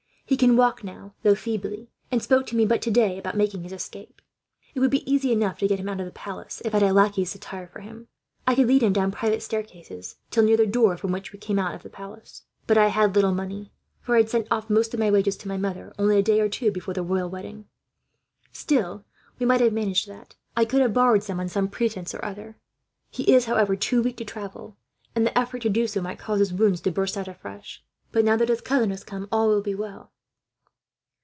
He can walk now, though feebly; and spoke to me but today about making his escape. "'It would be easy enough to get him out of the palace, if I had a lackey's attire for him. I could lead him down private staircases till near the door from which we come out of the palace. But I had little money, for I had sent off most of my wages to my mother, only a day or two before the royal wedding. Still, we might have managed that; I could have borrowed some, on some pretence or other. "'He is, however, too weak to travel, and the effort to do so might cause his wounds to burst out afresh; but now that his cousin has come, all will be well.'